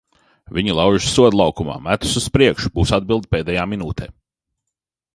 Viņi laužas soda laukumā, metas uz priekšu, būs atbilde pēdējā minūtē.